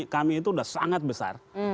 kami itu sudah sangat besar